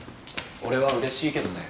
俺はうれしいけどね。